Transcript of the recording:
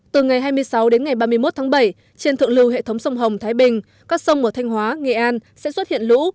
từ ngày hai mươi sáu đến ngày ba mươi một tháng bảy trên thượng lưu hệ thống sông hồng thái bình các sông ở thanh hóa nghệ an sẽ xuất hiện lũ